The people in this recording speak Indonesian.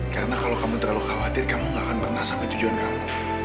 karena kalau kamu terlalu khawatir kamu gak akan pernah sampai tujuan kamu